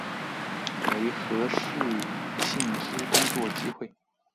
媒合适性之工作机会